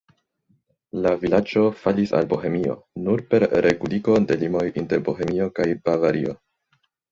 La vilaĝo falis al Bohemio nur per reguligo de limoj inter Bohemio kaj Bavario.